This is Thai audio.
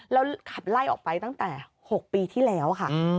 แล้วขับไล่ออกไปตั้งแต่๖ปีที่แล้วค่ะ